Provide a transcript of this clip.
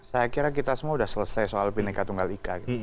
saya kira kita semua sudah selesai soal bineka tunggal ika